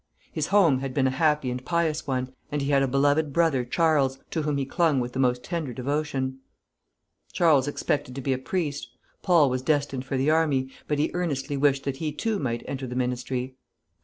His home had been a happy and pious one, and he had a beloved brother Charles, to whom he clung with the most tender devotion. Charles expected to be a priest; Paul was destined for the army, but he earnestly wished that he too might enter the ministry.